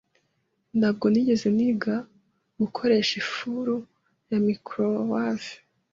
Ntabwo nigeze niga gukoresha ifuru ya microwave.